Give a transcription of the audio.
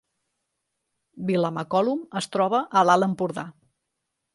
Vilamacolum es troba a l’Alt Empordà